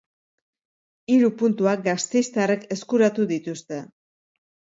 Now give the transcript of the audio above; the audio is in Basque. Hiru puntuak gasteiztarrek eskuratu dituzte.